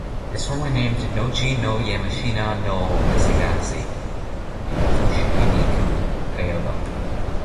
It is formally named "Nochi no Yamashina no misasagi" in Fushimi-ku, Kyoto.